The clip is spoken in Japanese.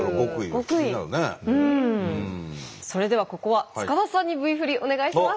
それではここは塚田さんにＶ振りお願いします。